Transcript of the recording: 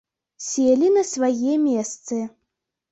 Селі на свае месцы.